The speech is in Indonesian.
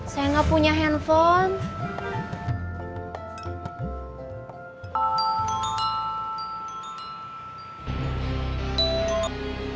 saya enggak punya handphone